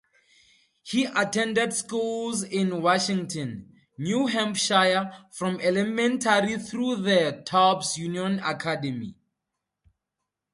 He attended schools in Washington, New Hampshire, from elementary through the Tubbs Union Academy.